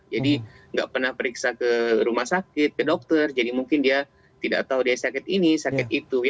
jadi nggak pernah periksa ke rumah sakit ke dokter jadi mungkin dia tidak tahu dia sakit ini sakit itu